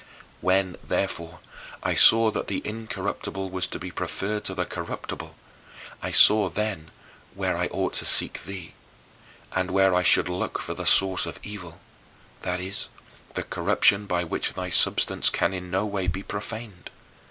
When, therefore, I saw that the incorruptible was to be preferred to the corruptible, I saw then where I ought to seek thee, and where I should look for the source of evil: that is, the corruption by which thy substance can in no way be profaned.